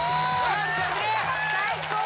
・最高！